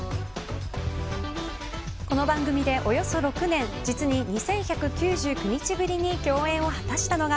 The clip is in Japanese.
この番組で、およそ６年実に２１９９日ぶりに共演を果たしたのが。